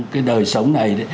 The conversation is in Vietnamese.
cái đời sống này